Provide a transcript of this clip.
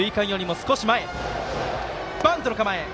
バントの構え。